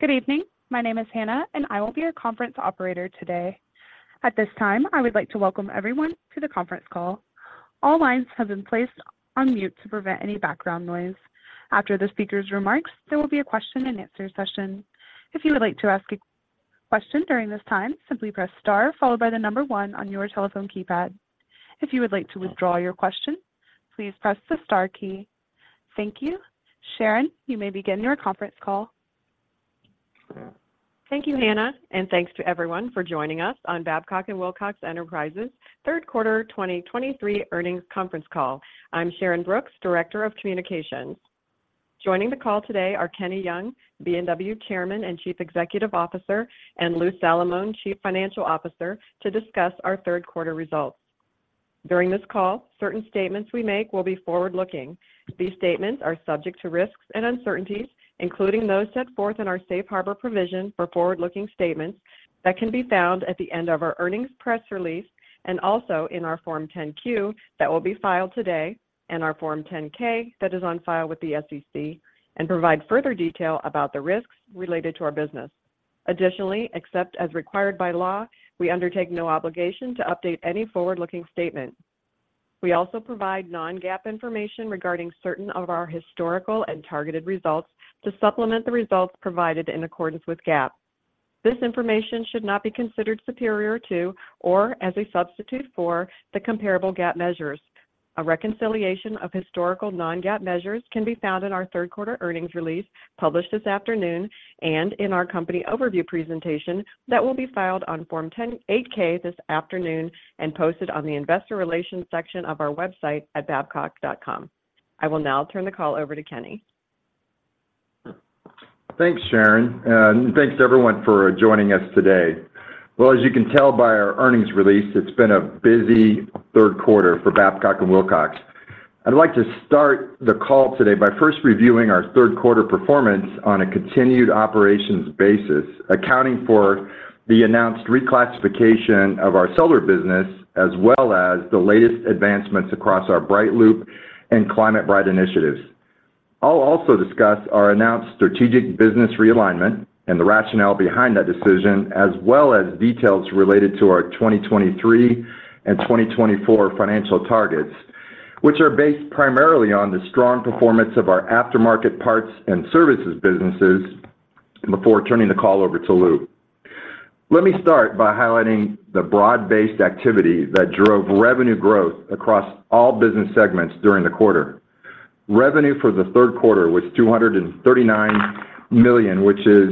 Good evening. My name is Hannah, and I will be your conference operator today. At this time, I would like to welcome everyone to the conference call. All lines have been placed on mute to prevent any background noise. After the speaker's remarks, there will be a question-and-answer session. If you would like to ask a question during this time, simply press star followed by the number one on your telephone keypad. If you would like to withdraw your question, please press the star key. Thank you. Sharyn, you may begin your conference call. Thank you, Hannah, and thanks to everyone for joining us on Babcock & Wilcox Enterprises' Third Quarter 2023 Earnings Conference Call. I'm Sharyn Brooks, Director of Communications. Joining the call today are Kenny Young, B&W Chairman and Chief Executive Officer, and Lou Salamone, Chief Financial Officer, to discuss our third quarter results. During this call, certain statements we make will be forward-looking. These statements are subject to risks and uncertainties, including those set forth in our safe harbor provision for forward-looking statements that can be found at the end of our earnings press release and also in our Form 10-Q that will be filed today, and our Form 10-K that is on file with the SEC and provide further detail about the risks related to our business. Additionally, except as required by law, we undertake no obligation to update any forward-looking statement. We also provide non-GAAP information regarding certain of our historical and targeted results to supplement the results provided in accordance with GAAP. This information should not be considered superior to or as a substitute for the comparable GAAP measures. A reconciliation of historical non-GAAP measures can be found in our third quarter earnings release, published this afternoon, and in our company overview presentation that will be filed on Form 10-K this afternoon and posted on the investor relations section of our website at babcock.com. I will now turn the call over to Kenny. Thanks, Sharyn, and thanks to everyone for joining us today. Well, as you can tell by our earnings release, it's been a busy third quarter for Babcock & Wilcox. I'd like to start the call today by first reviewing our third quarter performance on a continued operations basis, accounting for the announced reclassification of our solar business, as well as the latest advancements across our BrightLoop and ClimateBright initiatives. I'll also discuss our announced strategic business realignment and the rationale behind that decision, as well as details related to our 2023 and 2024 financial targets, which are based primarily on the strong performance of our aftermarket parts and services businesses, before turning the call over to Lou. Let me start by highlighting the broad-based activity that drove revenue growth across all business segments during the quarter. Revenue for the third quarter was $239 million, which is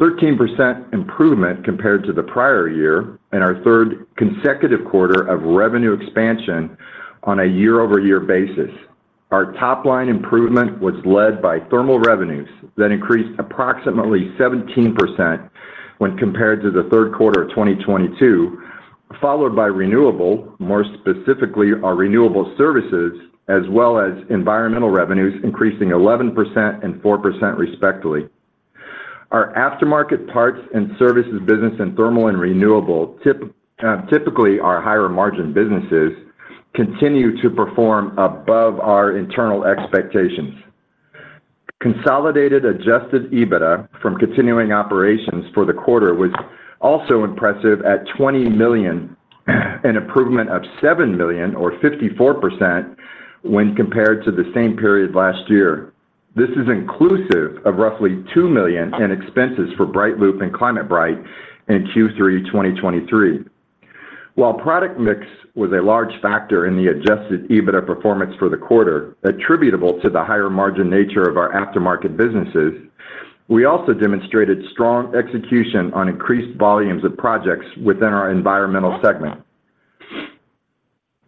13% improvement compared to the prior year and our third consecutive quarter of revenue expansion on a year-over-year basis. Our top-line improvement was led by thermal revenues that increased approximately 17% when compared to the third quarter of 2022, followed by renewable, more specifically, our renewable services, as well as environmental revenues, increasing 11% and 4%, respectively. Our aftermarket parts and services business in thermal and renewable, typically our higher margin businesses, continue to perform above our internal expectations. Consolidated Adjusted EBITDA from Continuing Operations for the quarter was also impressive at $20 million, an improvement of $7 million or 54% when compared to the same period last year. This is inclusive of roughly $2 million in expenses for BrightLoop and ClimateBright in Q3 2023. While product mix was a large factor in the Adjusted EBITDA performance for the quarter, attributable to the higher margin nature of our aftermarket businesses, we also demonstrated strong execution on increased volumes of projects within our environmental segment.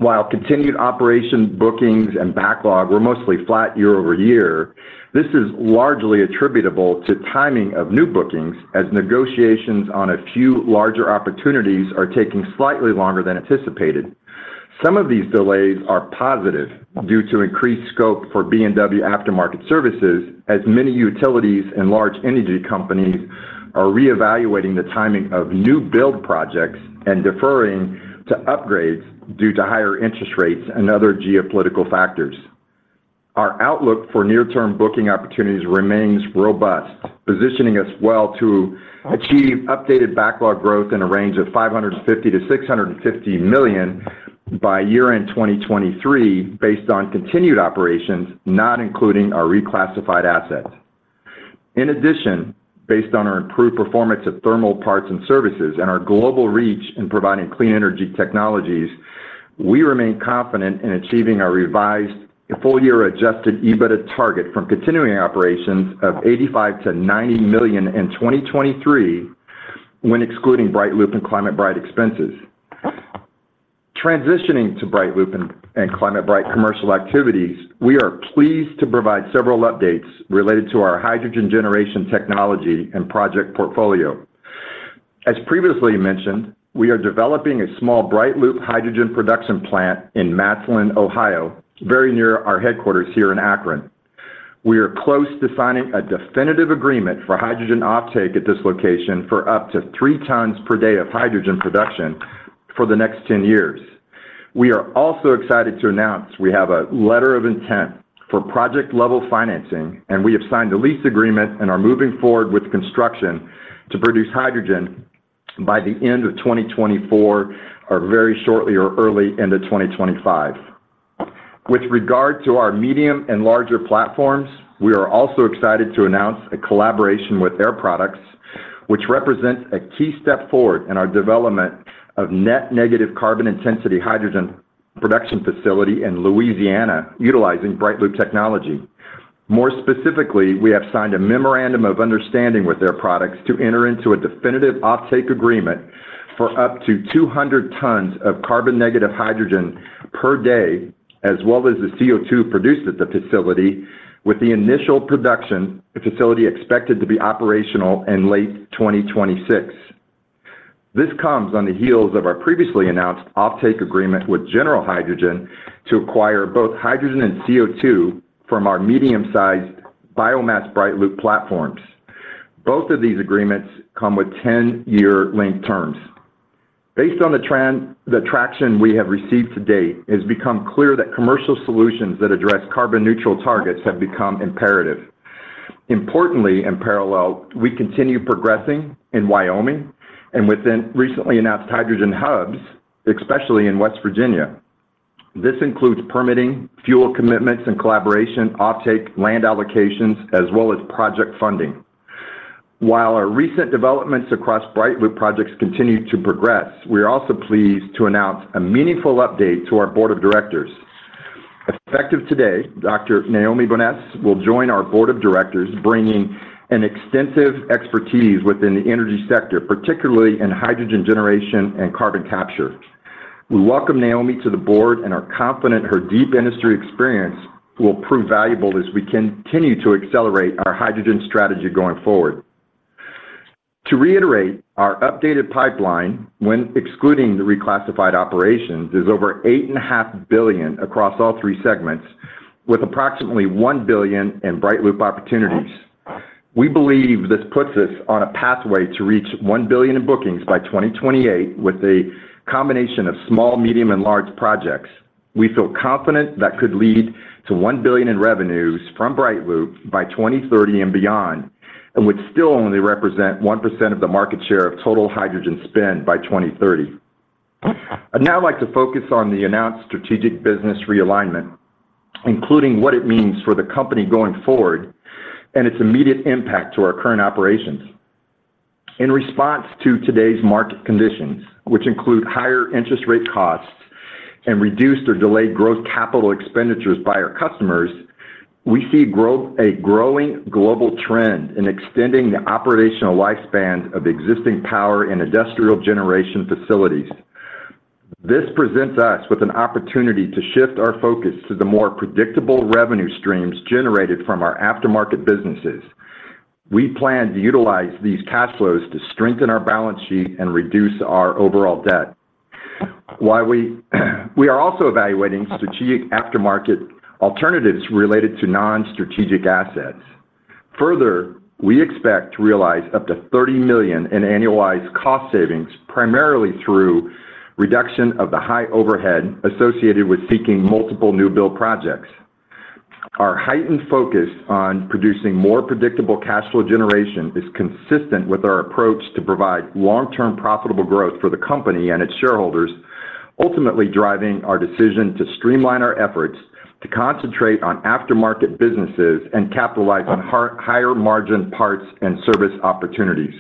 While continued operation bookings and backlog were mostly flat year-over-year, this is largely attributable to timing of new bookings, as negotiations on a few larger opportunities are taking slightly longer than anticipated. Some of these delays are positive due to increased scope for B&W aftermarket services, as many utilities and large energy companies are reevaluating the timing of new build projects and deferring to upgrades due to higher interest rates and other geopolitical factors. Our outlook for near-term booking opportunities remains robust, positioning us well to achieve updated backlog growth in a range of $550 million-$650 million by year-end 2023, based on continued operations, not including our reclassified assets. In addition, based on our improved performance of thermal parts and services and our global reach in providing clean energy technologies, we remain confident in achieving our revised full-year adjusted EBITDA target from continuing operations of $85 million-$90 million in 2023, when excluding BrightLoop and ClimateBright expenses. Transitioning to BrightLoop and ClimateBright commercial activities, we are pleased to provide several updates related to our hydrogen generation technology and project portfolio. As previously mentioned, we are developing a small BrightLoop hydrogen production plant in Massillon, Ohio, very near our headquarters here in Akron. We are close to signing a definitive agreement for hydrogen offtake at this location for up to 3 tons per day of hydrogen production for the next 10 years. We are also excited to announce we have a letter of intent for project-level financing, and we have signed a lease agreement and are moving forward with construction to produce hydrogen by the end of 2024 or very shortly or early into 2025. With regard to our medium and larger platforms, we are also excited to announce a collaboration with Air Products, which represents a key step forward in our development of net negative carbon intensity hydrogen production facility in Louisiana, utilizing BrightLoop technology. More specifically, we have signed a memorandum of understanding with Air Products to enter into a definitive offtake agreement for up to 200 tons of carbon negative hydrogen per day, as well as the CO2 produced at the facility, with the initial production, the facility expected to be operational in late 2026. This comes on the heels of our previously announced offtake agreement with General Hydrogen to acquire both hydrogen and CO2 from our medium-sized biomass BrightLoop platforms. Both of these agreements come with 10-year length terms. Based on the traction we have received to date, it has become clear that commercial solutions that address carbon-neutral targets have become imperative. Importantly, in parallel, we continue progressing in Wyoming and within recently announced hydrogen hubs, especially in West Virginia. This includes permitting, fuel commitments and collaboration, offtake, land allocations, as well as project funding. While our recent developments across BrightLoop projects continue to progress, we are also pleased to announce a meaningful update to our board of directors. Effective today, Dr. Naomi Boness will join our board of directors, bringing an extensive expertise within the energy sector, particularly in hydrogen generation and carbon capture. We welcome Naomi to the board and are confident her deep industry experience will prove valuable as we continue to accelerate our hydrogen strategy going forward. To reiterate, our updated pipeline, when excluding the reclassified operations, is over $8.5 billion across all three segments, with approximately $1 billion in BrightLoop opportunities. We believe this puts us on a pathway to reach $1 billion in bookings by 2028, with a combination of small, medium, and large projects. We feel confident that could lead to $1 billion in revenues from BrightLoop by 2030 and beyond, and would still only represent 1% of the market share of total hydrogen spend by 2030. I'd now like to focus on the announced strategic business realignment, including what it means for the company going forward and its immediate impact to our current operations. In response to today's market conditions, which include higher interest rate costs and reduced or delayed growth capital expenditures by our customers, we see growth, a growing global trend in extending the operational lifespan of existing power and industrial generation facilities. This presents us with an opportunity to shift our focus to the more predictable revenue streams generated from our aftermarket businesses. We plan to utilize these cash flows to strengthen our balance sheet and reduce our overall debt. While we are also evaluating strategic aftermarket alternatives related to non-strategic assets. Further, we expect to realize up to $30 million in annualized cost savings, primarily through reduction of the high overhead associated with seeking multiple new build projects. Our heightened focus on producing more predictable cash flow generation is consistent with our approach to provide long-term profitable growth for the company and its shareholders, ultimately driving our decision to streamline our efforts to concentrate on aftermarket businesses and capitalize on higher-margin parts and service opportunities.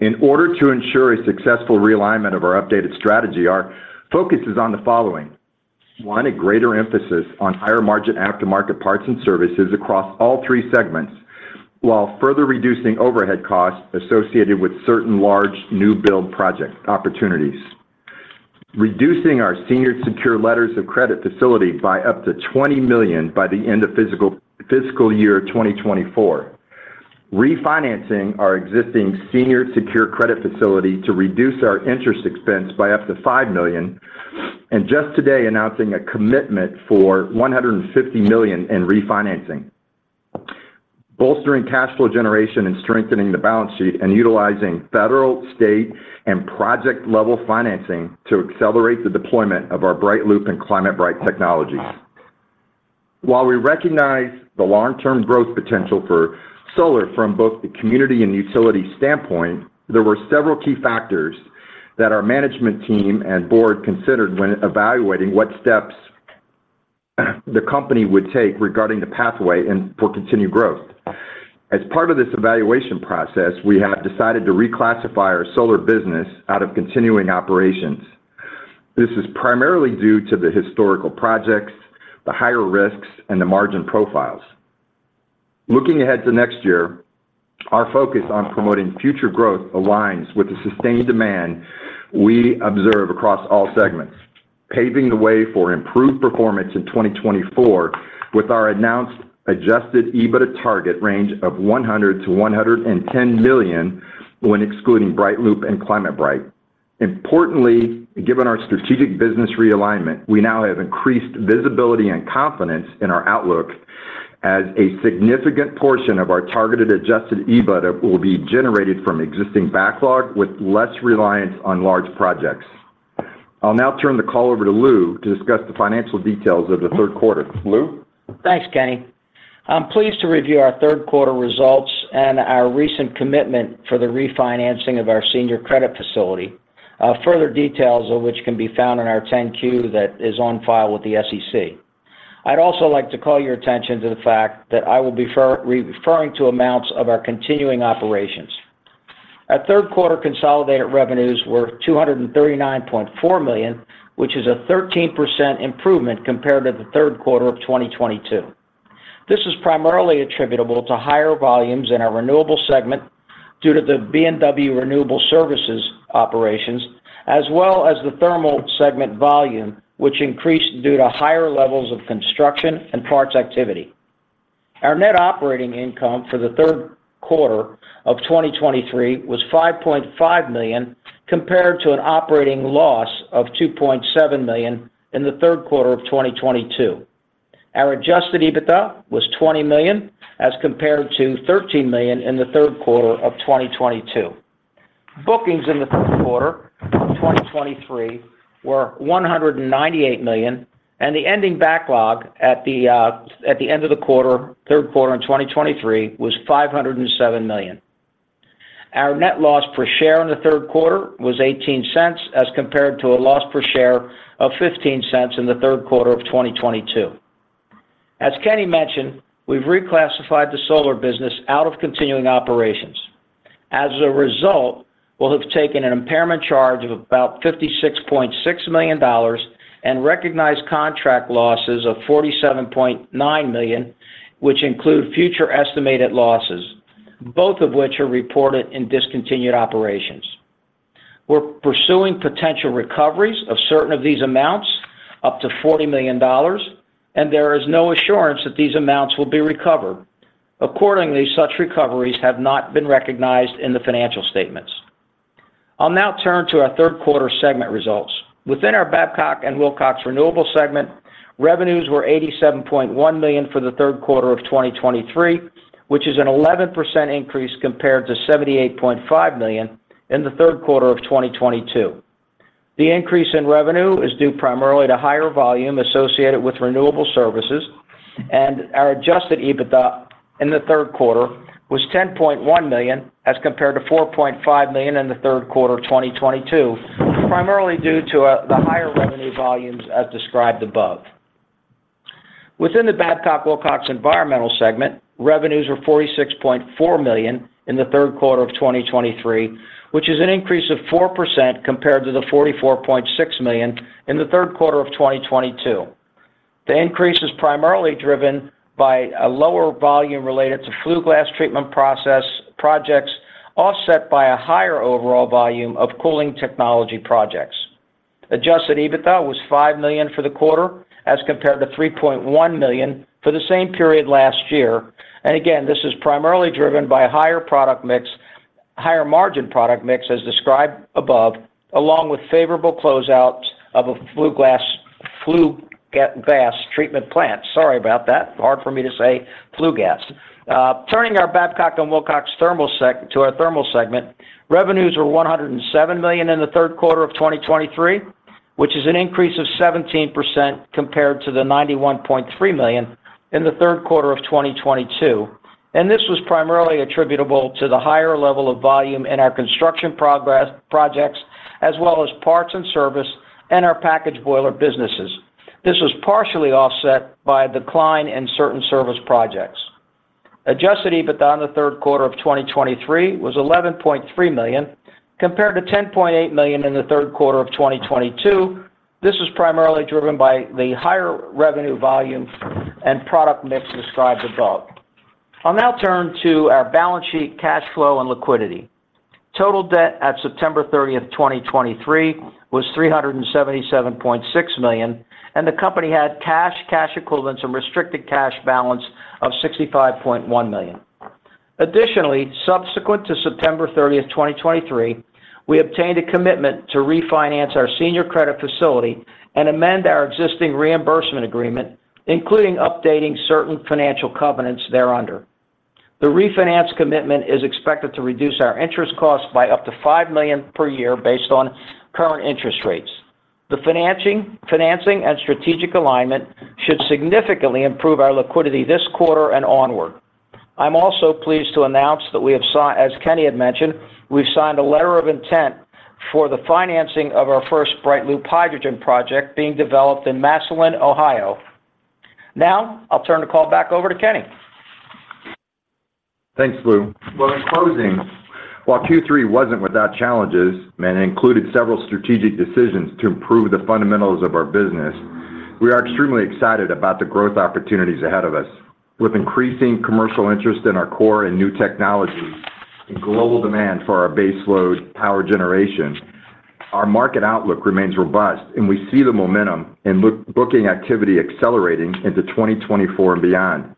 In order to ensure a successful realignment of our updated strategy, our focus is on the following: 1, a greater emphasis on higher-margin aftermarket parts and services across all three segments, while further reducing overhead costs associated with certain large new build project opportunities. Reducing our senior secured letters of credit facility by up to $20 million by the end of fiscal year 2024. Refinancing our existing senior secured credit facility to reduce our interest expense by up to $5 million. And just today, announcing a commitment for $150 million in refinancing. Bolstering cash flow generation and strengthening the balance sheet, and utilizing federal, state, and project-level financing to accelerate the deployment of our BrightLoop and ClimateBright technologies. While we recognize the long-term growth potential for solar from both the community and utility standpoint, there were several key factors that our management team and board considered when evaluating what steps the company would take regarding the pathway and for continued growth. As part of this evaluation process, we have decided to reclassify our solar business out of continuing operations. This is primarily due to the historical projects, the higher risks, and the margin profiles. Looking ahead to next year, our focus on promoting future growth aligns with the sustained demand we observe across all segments, paving the way for improved performance in 2024 with our announced Adjusted EBITDA target range of $100 million-$110 million when excluding BrightLoop and ClimateBright. Importantly, given our strategic business realignment, we now have increased visibility and confidence in our outlook as a significant portion of our targeted Adjusted EBITDA will be generated from existing backlog with less reliance on large projects. I'll now turn the call over to Lou to discuss the financial details of the third quarter. Lou? Thanks, Kenny. I'm pleased to review our third quarter results and our recent commitment for the refinancing of our senior credit facility, further details of which can be found in our 10-Q that is on file with the SEC. I'd also like to call your attention to the fact that I will be referring to amounts of our continuing operations. Our third quarter consolidated revenues were $239.4 million, which is a 13% improvement compared to the third quarter of 2022. This is primarily attributable to higher volumes in our renewable segment due to the B&W Renewable Services operations, as well as the thermal segment volume, which increased due to higher levels of construction and parts activity. Our net operating income for the third quarter of 2023 was $5.5 million, compared to an operating loss of $2.7 million in the third quarter of 2022. Our Adjusted EBITDA was $20 million, as compared to $13 million in the third quarter of 2022. Bookings in the third quarter of 2023 were $198 million, and the ending backlog at the at the end of the quarter, third quarter in 2023, was $507 million. Our net loss per share in the third quarter was $0.18, as compared to a loss per share of $0.15 in the third quarter of 2022. As Kenny mentioned, we've reclassified the solar business out of continuing operations. As a result, we'll have taken an impairment charge of about $56.6 million and recognized contract losses of $47.9 million, which include future estimated losses, both of which are reported in discontinued operations. We're pursuing potential recoveries of certain of these amounts, up to $40 million, and there is no assurance that these amounts will be recovered. Accordingly, such recoveries have not been recognized in the financial statements. I'll now turn to our third quarter segment results. Within our Babcock & Wilcox Renewable segment, revenues were $87.1 million for the third quarter of 2023, which is an 11% increase compared to $78.5 million in the third quarter of 2022. The increase in revenue is due primarily to higher volume associated with renewable services, and our Adjusted EBITDA in the third quarter was $10.1 million, as compared to $4.5 million in the third quarter of 2022, primarily due to the higher revenue volumes as described above. Within the Babcock & Wilcox Environmental segment, revenues were $46.4 million in the third quarter of 2023, which is an increase of 4% compared to the $44.6 million in the third quarter of 2022. The increase is primarily driven by a lower volume related to flue gas treatment projects, offset by a higher overall volume of cooling technology projects. Adjusted EBITDA was $5 million for the quarter, as compared to $3.1 million for the same period last year. Again, this is primarily driven by a higher product mix—higher-margin product mix, as described above, along with favorable closeouts of a flue gas treatment plant. Sorry about that. Hard for me to say, flue gas. Turning our Babcock & Wilcox Thermal segment to our Thermal segment, revenues were $107 million in the third quarter of 2023, which is an increase of 17% compared to the $91.3 million in the third quarter of 2022, and this was primarily attributable to the higher level of volume in our construction projects, as well as parts and service and our packaged boiler businesses. This was partially offset by a decline in certain service projects. Adjusted EBITDA in the third quarter of 2023 was $11.3 million, compared to $10.8 million in the third quarter of 2022. This was primarily driven by the higher revenue volume and product mix described above. I'll now turn to our balance sheet, cash flow, and liquidity. Total debt at September 30, 2023, was $377.6 million, and the company had cash, cash equivalents, and restricted cash balance of $65.1 million. Additionally, subsequent to September 30, 2023, we obtained a commitment to refinance our senior credit facility and amend our existing reimbursement agreement, including updating certain financial covenants thereunder. The refinance commitment is expected to reduce our interest costs by up to $5 million per year based on current interest rates. The financing and strategic alignment should significantly improve our liquidity this quarter and onward. I'm also pleased to announce that we have, as Kenny had mentioned, we've signed a letter of intent for the financing of our first BrightLoop hydrogen project being developed in Massillon, Ohio. Now, I'll turn the call back over to Kenny. Thanks, Lou. Well, in closing, while Q3 wasn't without challenges, and it included several strategic decisions to improve the fundamentals of our business, we are extremely excited about the growth opportunities ahead of us. With increasing commercial interest in our core and new technologies and global demand for our baseload power generation, our market outlook remains robust, and we see the momentum in new booking activity accelerating into 2024 and beyond.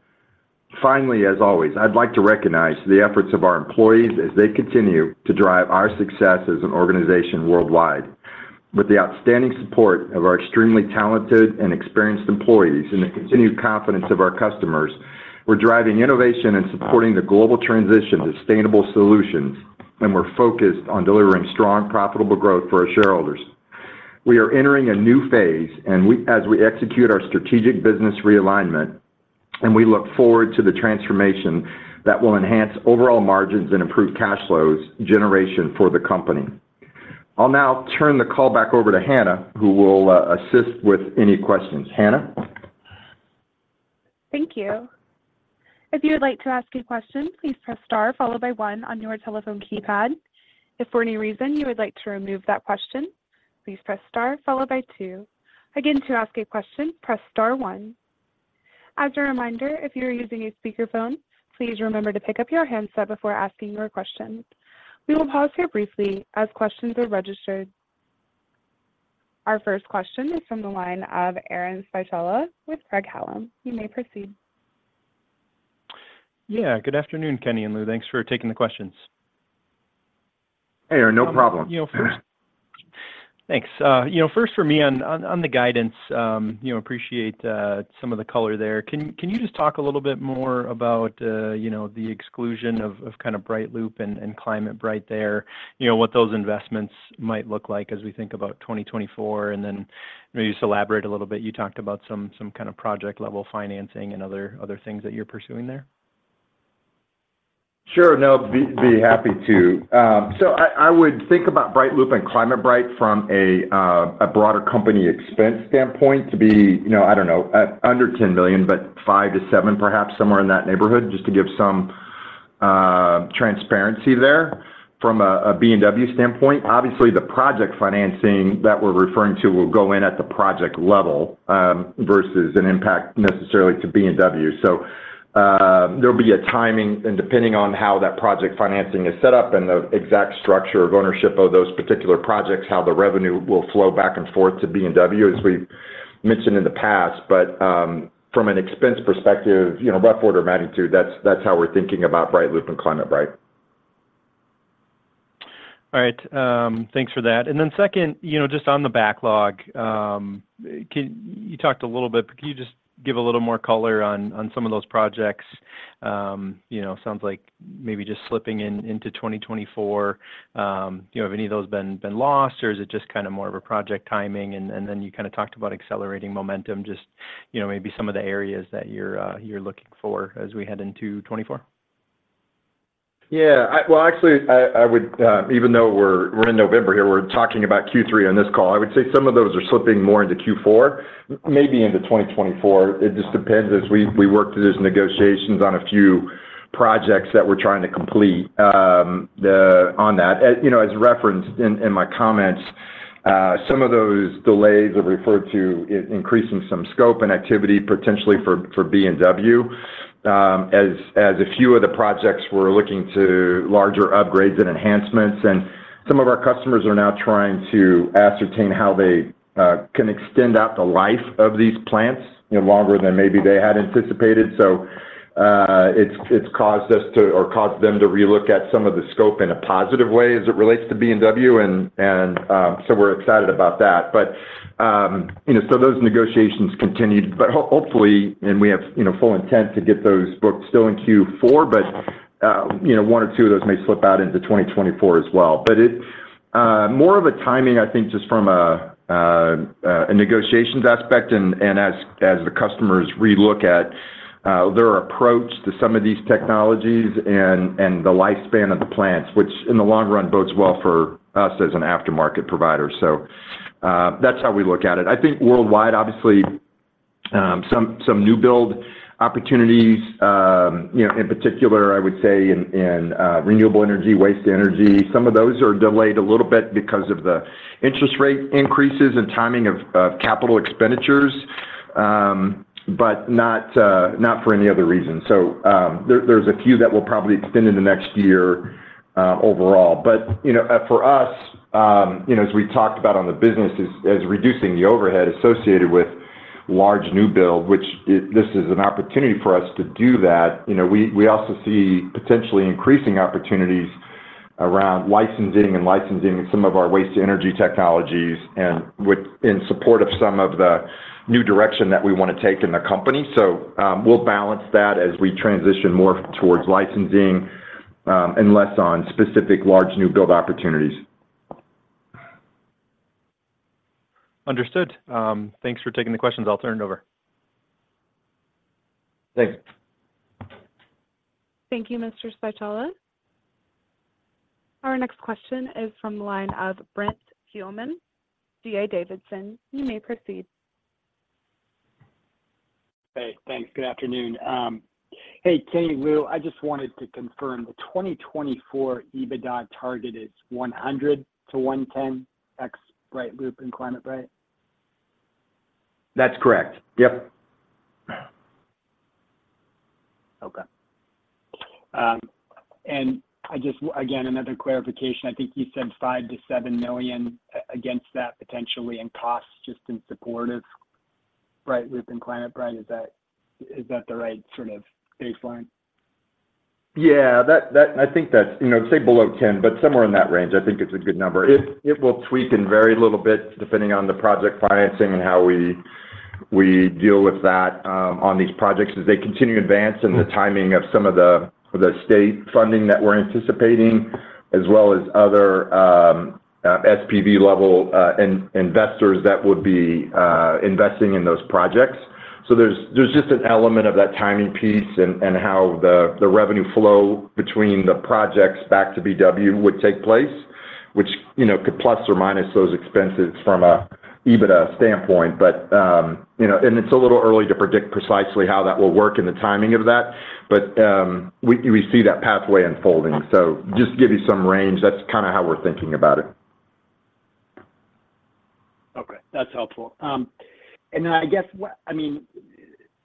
Finally, as always, I'd like to recognize the efforts of our employees as they continue to drive our success as an organization worldwide. With the outstanding support of our extremely talented and experienced employees and the continued confidence of our customers, we're driving innovation and supporting the global transition to sustainable solutions, and we're focused on delivering strong, profitable growth for our shareholders. We are entering a new phase, and as we execute our strategic business realignment, and we look forward to the transformation that will enhance overall margins and improve cash flows generation for the company. I'll now turn the call back over to Hannah, who will assist with any questions. Hannah? Thank you. If you would like to ask a question, please press star followed by one on your telephone keypad. If for any reason you would like to remove that question, please press star followed by two. Again, to ask a question, press star one. As a reminder, if you're using a speakerphone, please remember to pick up your handset before asking your questions. We will pause here briefly as questions are registered. Our first question is from the line of Aaron Spychalla with Craig-Hallum. You may proceed. Yeah, good afternoon, Kenny and Lou. Thanks for taking the questions. Hey, Aaron, no problem. You know, first- thanks. You know, first for me on the guidance, you know, appreciate some of the color there. Can you just talk a little bit more about, you know, the exclusion of kind of BrightLoop and ClimateBright there? You know, what those investments might look like as we think about 2024, and then maybe just elaborate a little bit. You talked about some kind of project-level financing and other things that you're pursuing there. Sure. No, be happy to. So I would think about BrightLoop and ClimateBright from a broader company expense standpoint to be, you know, I don't know, at under $10 million, but $5 million-$7 million, perhaps, somewhere in that neighborhood, just to give some transparency there from a B&W standpoint. Obviously, the project financing that we're referring to will go in at the project level versus an impact necessarily to B&W. So there'll be a timing, and depending on how that project financing is set up and the exact structure of ownership of those particular projects, how the revenue will flow back and forth to B&W, as we've mentioned in the past. But from an expense perspective, you know, rough order of magnitude, that's how we're thinking about BrightLoop and ClimateBright. All right, thanks for that. And then second, you know, just on the backlog, can you just give a little more color on some of those projects? You know, sounds like maybe just slipping into 2024. You know, have any of those been lost, or is it just kind of more of a project timing? And then you kind of talked about accelerating momentum, just, you know, maybe some of the areas that you're looking for as we head into 2024. Yeah, well, actually, I would, even though we're in November here, we're talking about Q3 on this call, I would say some of those are slipping more into Q4, maybe into 2024. It just depends as we work through those negotiations on a few projects that we're trying to complete, on that. As you know, as referenced in my comments, some of those delays are referred to increasing some scope and activity, potentially for B&W, as a few of the projects were looking to larger upgrades and enhancements, and some of our customers are now trying to ascertain how they can extend out the life of these plants, you know, longer than maybe they had anticipated. So, it's caused us to, or caused them to relook at some of the scope in a positive way as it relates to B&W, and so we're excited about that. But, you know, so those negotiations continued, but hopefully, and we have, you know, full intent to get those booked still in Q4, but, you know, one or two of those may slip out into 2024 as well. But it's more of a timing, I think, just from a negotiations aspect and as the customers relook at their approach to some of these technologies and the lifespan of the plants, which in the long run bodes well for us as an aftermarket provider. So, that's how we look at it. I think worldwide, obviously, some new build opportunities, you know, in particular, I would say in renewable energy, waste-to-energy, some of those are delayed a little bit because of the interest rate increases and timing of capital expenditures, but not for any other reason. So, there's a few that will probably extend into next year, overall. But, you know, for us, you know, as we talked about, the business is reducing the overhead associated with large new build; this is an opportunity for us to do that. You know, we also see potentially increasing opportunities around licensing some of our waste-to-energy technologies and in support of some of the new direction that we want to take in the company. We'll balance that as we transition more towards licensing, and less on specific large new build opportunities. Understood. Thanks for taking the questions. I'll turn it over. Thanks. Thank you, Mr. Spychalla. Our next question is from the line of Brent Thielman, D.A. Davidson. You may proceed. Hey, thanks. Good afternoon. Hey, Kenny, Lou, I just wanted to confirm the 2024 EBITDA target is 100-110 ex BrightLoop and ClimateBright? That's correct. Yep. Okay. And I just again, another clarification. I think you said $5 million-$7 million against that, potentially in costs, just in support of BrightLoop and ClimateBright. Is that, is that the right sort of baseline? Yeah, that and I think that's, you know, say below 10, but somewhere in that range, I think is a good number. It will tweak and vary a little bit depending on the project financing and how we deal with that on these projects as they continue to advance, and the timing of some of the state funding that we're anticipating, as well as other SPV level investors that would be investing in those projects. So there's just an element of that timing piece and how the revenue flow between the projects back to B&W would take place, which, you know, could plus or minus those expenses from an EBITDA standpoint. But, you know, and it's a little early to predict precisely how that will work and the timing of that, but, we see that pathway unfolding. So just to give you some range, that's kind of how we're thinking about it. Okay, that's helpful. And then I guess, what—I mean,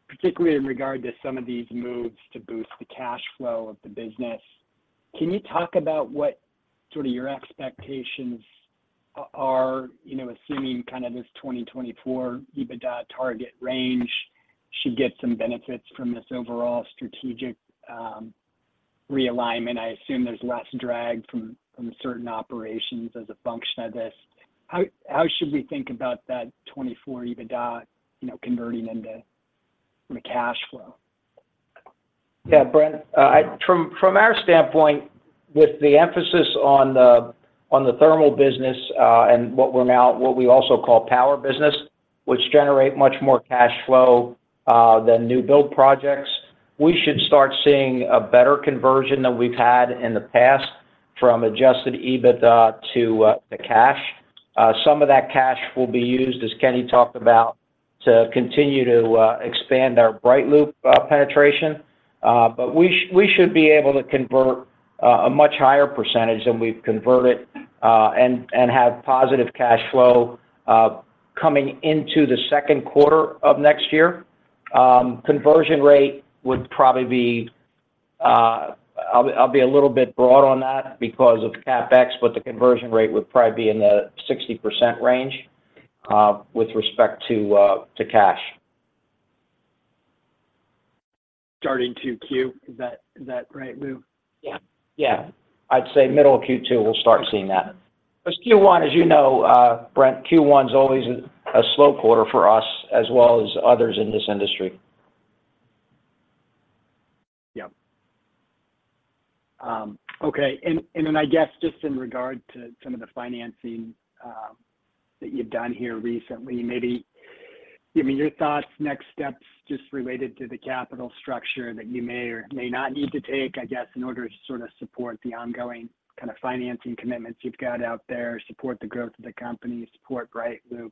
particularly in regard to some of these moves to boost the cash flow of the business, can you talk about what sort of your expectations are, you know, assuming kind of this 2024 EBITDA target range should get some benefits from this overall strategic realignment? I assume there's less drag from certain operations as a function of this. How should we think about that 2024 EBITDA, you know, converting into the cash flow? Yeah, Brent, from our standpoint, with the emphasis on the thermal business and what we now also call Power business, which generate much more cash flow than new build projects, we should start seeing a better conversion than we've had in the past from Adjusted EBITDA to the cash. Some of that cash will be used, as Kenny talked about, to continue to expand our BrightLoop penetration. But we should be able to convert a much higher percentage than we've converted and have positive cash flow coming into the second quarter of next year. Conversion rate would probably be. I'll be, I'll be a little bit broad on that because of CapEx, but the conversion rate would probably be in the 60% range, with respect to, to cash. Starting 2Q, is that right, Lou? Yeah. Yeah, I'd say middle of Q2, we'll start seeing that. But Q1, as you know, Brent, Q1 is always a slow quarter for us as well as others in this industry. Yeah. Okay. And then I guess, just in regard to some of the financing that you've done here recently, maybe give me your thoughts, next steps, just related to the capital structure that you may or may not need to take, I guess, in order to sort of support the ongoing kind of financing commitments you've got out there, support the growth of the company, support BrightLoop.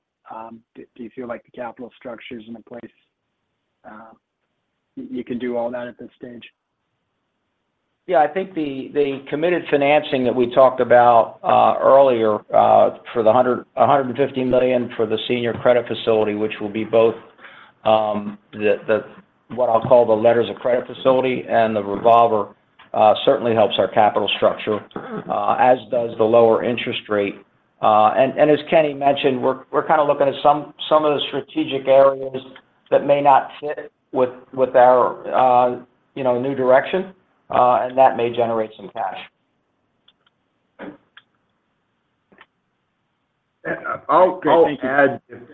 Do you feel like the capital structure is in a place you can do all that at this stage? Yeah, I think the committed financing that we talked about earlier for the $150 million for the senior credit facility, which will be both the what I'll call the letters of credit facility and the revolver, certainly helps our capital structure, as does the lower interest rate. And as Kenny mentioned, we're kind of looking at some of the strategic areas that may not fit with our you know new direction, and that may generate some cash. I'll add. Thank you.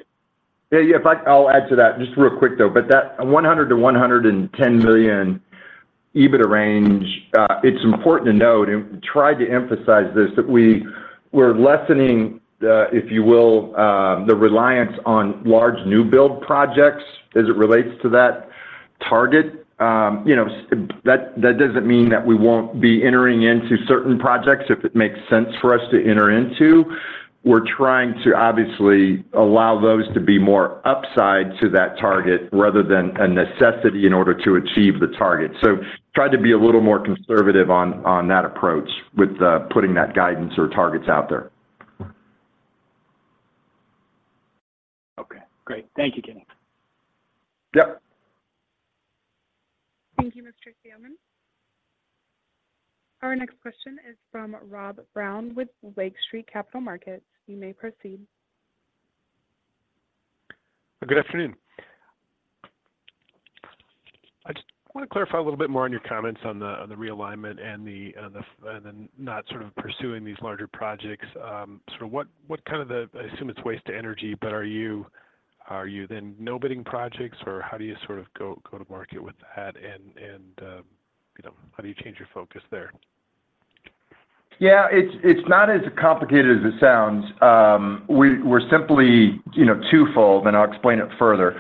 Yeah, yeah, if I'll add to that, just real quick, though, but that $100-$110 million EBITDA range, it's important to note and try to emphasize this, that we're lessening the, if you will, the reliance on large new build projects as it relates to that target. You know, that doesn't mean that we won't be entering into certain projects if it makes sense for us to enter into. We're trying to obviously allow those to be more upside to that target rather than a necessity in order to achieve the target. So try to be a little more conservative on that approach with putting that guidance or targets out there. Okay, great. Thank you, Kenny. Yep. Thank you, Mr. Salamone. Our next question is from Rob Brown with Lake Street Capital Markets. You may proceed. Good afternoon. I just want to clarify a little bit more on your comments on the realignment and not sort of pursuing these larger projects. So what kind of the, I assume it's waste-to-energy, but are you then not bidding projects, or how do you sort of go to market with that and, you know, how do you change your focus there? Yeah, it's not as complicated as it sounds. We're simply, you know, twofold, then I'll explain it further.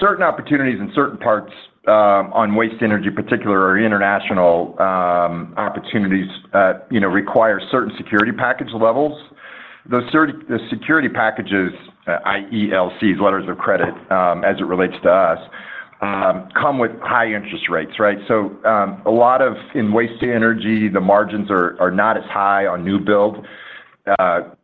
Certain opportunities in certain parts, on waste-to-energy particular, or international opportunities, you know, require certain security package levels. The security packages, i.e., LCs, letters of credit, as it relates to us, come with high interest rates, right? So, a lot of in waste-to-energy, the margins are not as high on new build,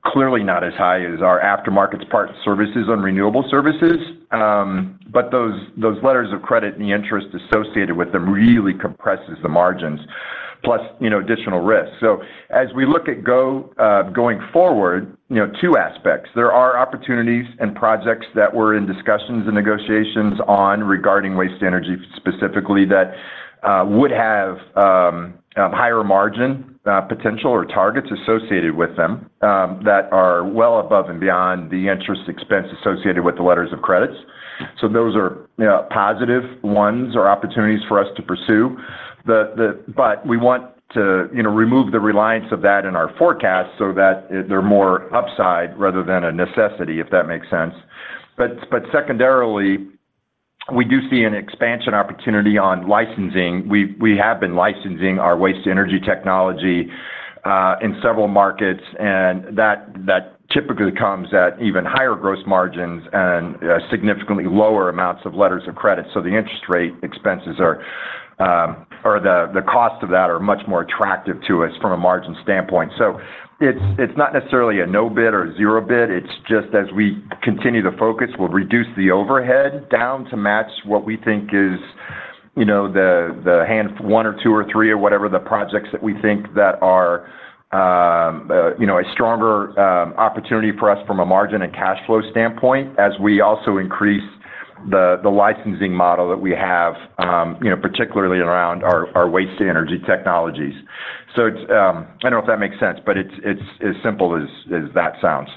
clearly not as high as our aftermarkets parts services on renewable services. But those letters of credit and the interest associated with them really compresses the margins, plus, you know, additional risks. So as we look at going forward, you know, two aspects: there are opportunities and projects that we're in discussions and negotiations on regarding waste energy, specifically, that would have higher margin potential or targets associated with them that are well above and beyond the interest expense associated with the letters of credit. So those are, yeah, positive ones or opportunities for us to pursue. But we want to, you know, remove the reliance of that in our forecast so that they're more upside rather than a necessity, if that makes sense. But secondarily, we do see an expansion opportunity on licensing. We have been licensing our waste-to-energy technology in several markets, and that typically comes at even higher gross margins and significantly lower amounts of letters of credit. So the interest rate expenses are, or the cost of that are much more attractive to us from a margin standpoint. So it's not necessarily a no bid or zero bid, it's just as we continue to focus, we'll reduce the overhead down to match what we think is, you know, the hand one or two or three, or whatever the projects that we think that are a stronger opportunity for us from a margin and cash flow standpoint, as we also increase the licensing model that we have, you know, particularly around our waste-to-energy technologies. So it's, I don't know if that makes sense, but it's as simple as that sounds.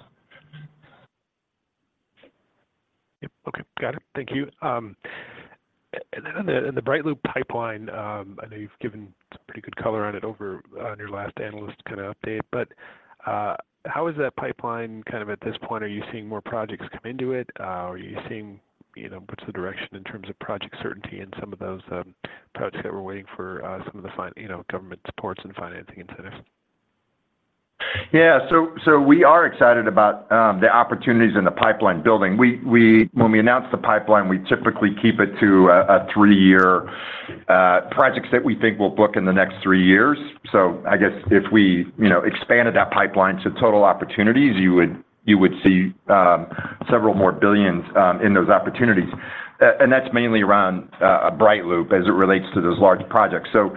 Yep. Okay, got it. Thank you. And then on the BrightLoop pipeline, I know you've given some pretty good color on it over on your last analyst kind of update, but, how is that pipeline kind of at this point? Are you seeing more projects come into it? Are you seeing, you know, what's the direction in terms of project certainty and some of those projects that we're waiting for, some of the fine, you know, government supports and financing incentives? Yeah. So we are excited about the opportunities in the pipeline building. When we announce the pipeline, we typically keep it to a three-year projects that we think will book in the next three years. So I guess if we you know expanded that pipeline to total opportunities, you would see $ several more billion in those opportunities. And that's mainly around BrightLoop as it relates to those large projects. So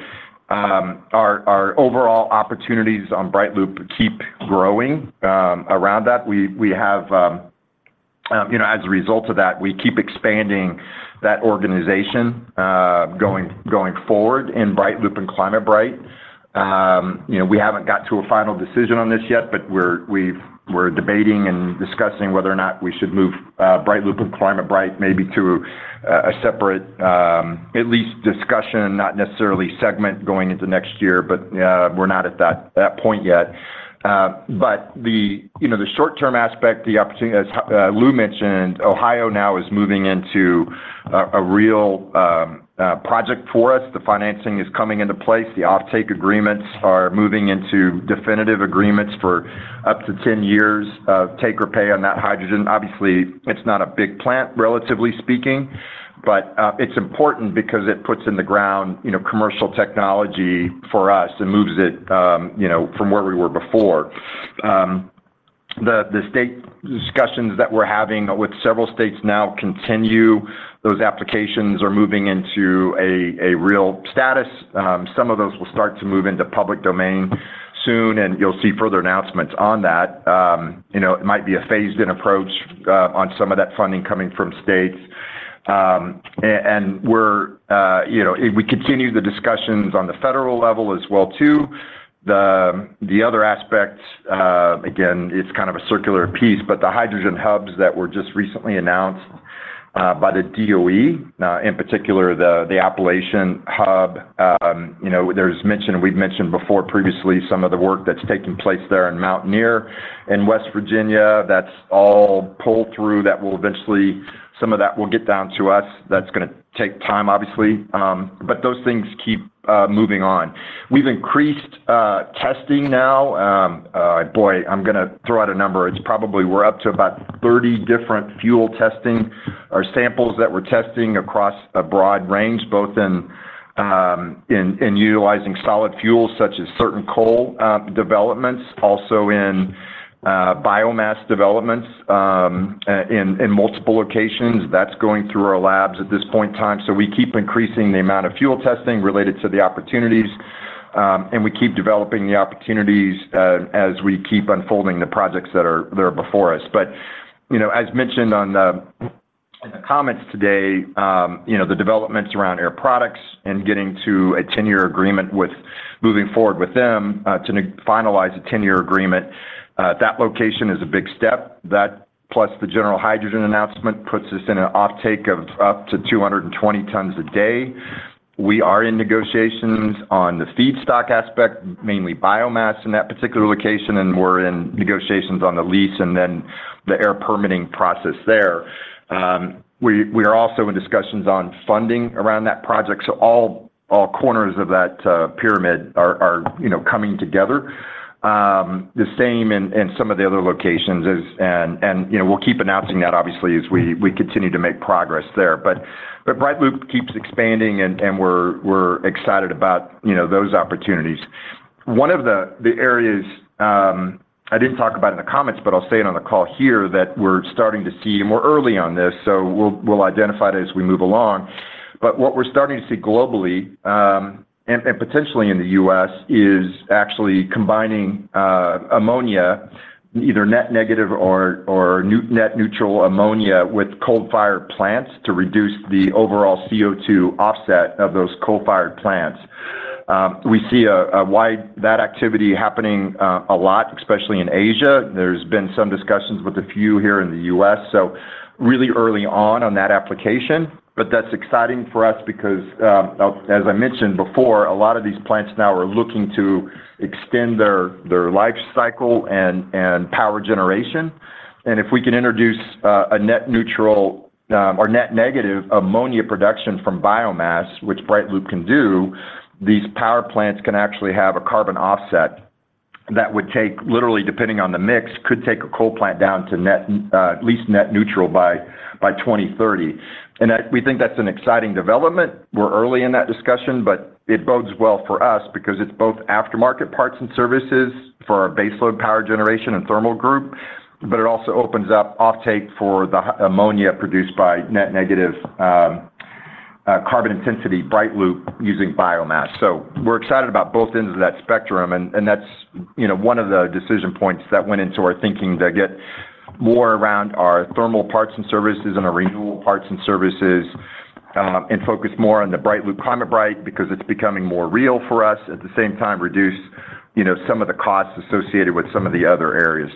our overall opportunities on BrightLoop keep growing. Around that, we have you know as a result of that, we keep expanding that organization going forward in BrightLoop and ClimateBright. You know, we haven't got to a final decision on this yet, but we're debating and discussing whether or not we should move BrightLoop and ClimateBright maybe to a separate, at least discussion, not necessarily segment going into next year, but we're not at that point yet. But the, you know, the short-term aspect, the opportunity, as Lou mentioned, Ohio now is moving into a real project for us. The financing is coming into place. The offtake agreements are moving into definitive agreements for up to 10 years of take or pay on that hydrogen. Obviously, it's not a big plant, relatively speaking, but it's important because it puts in the ground, you know, commercial technology for us and moves it, you know, from where we were before. The state discussions that we're having with several states now continue. Those applications are moving into a real status. Some of those will start to move into public domain soon, and you'll see further announcements on that. You know, it might be a phased-in approach on some of that funding coming from states. And we're, you know, we continue the discussions on the federal level as well, too. The other aspects, again, it's kind of a circular piece, but the hydrogen hubs that were just recently announced by the DOE, in particular, the Appalachian hub, you know, there's mention. We've mentioned before previously some of the work that's taking place there in Mountaineer and West Virginia. That's all pulled through. That will eventually. Some of that will get down to us. That's gonna take time, obviously, but those things keep moving on. We've increased testing now. Boy, I'm gonna throw out a number. It's probably we're up to about 30 different fuel testing or samples that we're testing across a broad range, both in utilizing solid fuels, such as certain coal developments, also in biomass developments, in multiple locations. That's going through our labs at this point in time. So we keep increasing the amount of fuel testing related to the opportunities, and we keep developing the opportunities, as we keep unfolding the projects that are before us. But, you know, as mentioned in the comments today, you know, the developments around Air Products and getting to a 10-year agreement with moving forward with them, to finalize a 10-year agreement, that location is a big step. That plus the General Hydrogen announcement puts us in an offtake of up to 220 tons a day. We are in negotiations on the feedstock aspect, mainly biomass in that particular location, and we're in negotiations on the lease and then the air permitting process there. We are also in discussions on funding around that project, so all corners of that pyramid are, you know, coming together. The same in some of the other locations and, you know, we'll keep announcing that obviously as we continue to make progress there. But BrightLoop keeps expanding and we're excited about, you know, those opportunities. One of the areas I didn't talk about in the comments, but I'll say it on the call here, that we're starting to see, and we're early on this, so we'll identify it as we move along. But what we're starting to see globally, and potentially in the U.S., is actually combining ammonia, either net negative or net-neutral ammonia with coal-fired plants to reduce the overall CO2 offset of those coal-fired plants. We see that activity happening a lot, especially in Asia. There's been some discussions with a few here in the U.S., so really early on that application. But that's exciting for us because, as I mentioned before, a lot of these plants now are looking to extend their life cycle and power generation. And if we can introduce a net-neutral or net-negative ammonia production from biomass, which BrightLoop can do, these power plants can actually have a carbon offset that would take, literally, depending on the mix, could take a coal plant down to net at least net-neutral by 2030. And that we think that's an exciting development. We're early in that discussion, but it bodes well for us because it's both aftermarket parts and services for our baseload power generation and thermal group, but it also opens up offtake for the ammonia produced by net negative carbon intensity BrightLoop using biomass. So we're excited about both ends of that spectrum, and that's, you know, one of the decision points that went into our thinking to get more around our thermal parts and services and our renewal parts and services, and focus more on the BrightLoop ClimateBright because it's becoming more real for us. At the same time, reduce, you know, some of the costs associated with some of the other areas.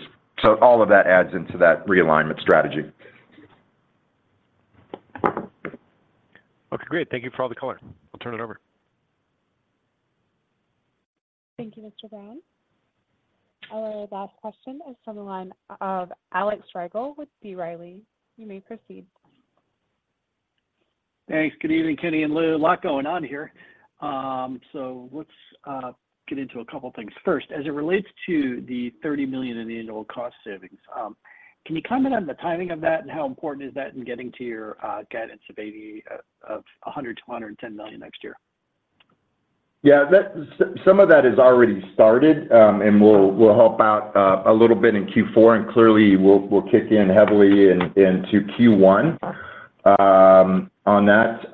So all of that adds into that realignment strategy. Okay, great. Thank you for all the color. I'll turn it over. Thank you, Mr. Brown. Our last question is from the line of Alex Rygiel with B. Riley. You may proceed. Thanks. Good evening, Kenny and Lou. A lot going on here. So let's get into a couple of things. First, as it relates to the $30 million in the annual cost savings, can you comment on the timing of that and how important is that in getting to your guidance of $100-$110 million next year? Yeah, that some of that has already started, and will help out a little bit in Q4, and clearly will kick in heavily into Q1. On that,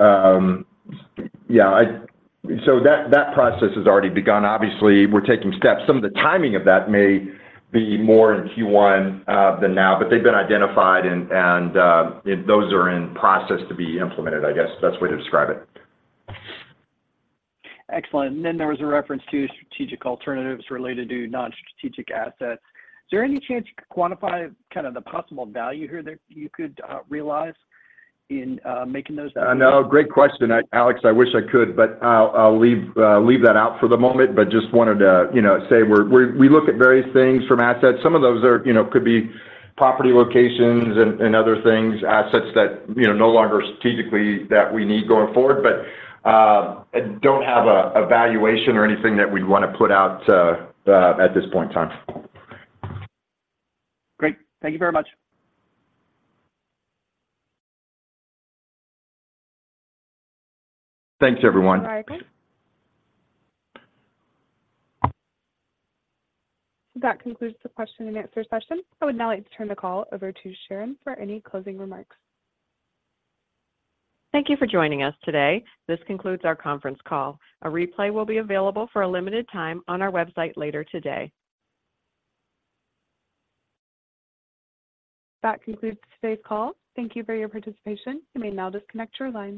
that process has already begun. Obviously, we're taking steps. Some of the timing of that may be more in Q1 than now, but they've been identified and those are in process to be implemented. I guess that's the way to describe it. Excellent. And then there was a reference to strategic alternatives related to non-strategic assets. Is there any chance you could quantify kind of the possible value here that you could realize in making those? I know. Great question, Alex. I wish I could, but I'll leave that out for the moment, but just wanted to, you know, say we're, we look at various things from assets. Some of those are, you know, could be property locations and other things, assets that, you know, no longer strategically that we need going forward, but I don't have a valuation or anything that we'd want to put out at this point in time. Great. Thank you very much. Thanks, everyone. All right, thanks. That concludes the question and answer session. I would now like to turn the call over to Sharyn for any closing remarks. Thank you for joining us today. This concludes our conference call. A replay will be available for a limited time on our website later today. That concludes today's call. Thank you for your participation. You may now disconnect your lines.